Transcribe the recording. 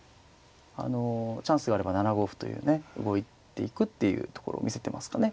あのチャンスがあれば７五歩というね動いていくっていうところを見せてますかね。